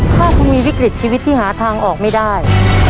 ถ้าคุณมีวิกฤตชีวิตที่หาทางออกไม่ได้